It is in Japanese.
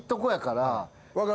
分かる。